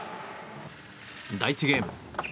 第１ゲーム。